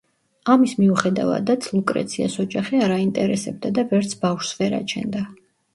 ამის მიუხედავადაც, ლუკრეციას ოჯახი არ აინტერესებდა და ვერც ბავშვს ვერ აჩენდა.